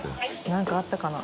何かあったかな？